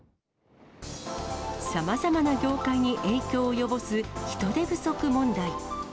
さまざまな業界に影響を及ぼす人手不足問題。